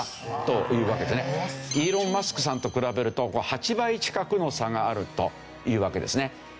イーロン・マスクさんと比べると８倍近くの差があるというわけですね。